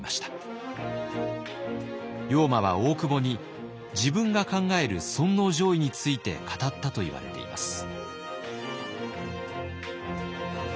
龍馬は大久保に自分が考える尊皇攘夷について語ったといわれています。